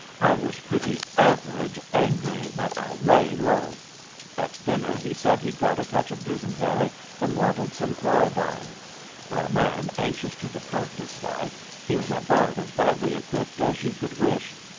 I was pretty average angry, but I lay low. At dinner he said he'd got a touch of dysentery and wanted some chlorodyne. For a man anxious to depart this life he was about as badly equipped as you could wish.